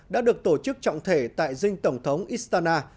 đã được tổ chức trọng thể tại dinh tổng thống istana